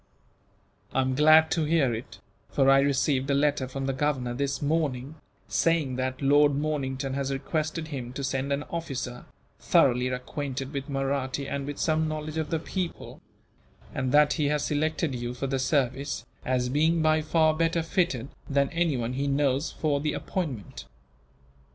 "I am glad to hear it, for I received a letter from the Governor, this morning, saying that Lord Mornington has requested him to send an officer, thoroughly acquainted with Mahratti and with some knowledge of the people; and that he has selected you for the service, as being by far better fitted than anyone he knows for the appointment.